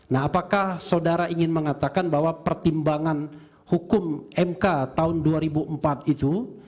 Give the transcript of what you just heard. nah apakah saudara ingin mengatakan bahwa pertimbangan hukum mk tahun dua ribu empat itu